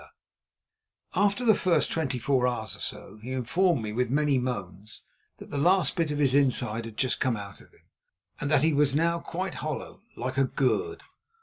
After the first twenty four hours or so he informed me with many moans that the last bit of his inside had just come out of him, and that he was now quite hollow "like a gourd."